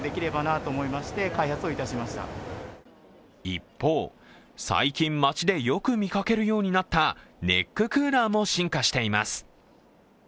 一方、最近、街でよく見かけるようになったネッククーラーも進化しています。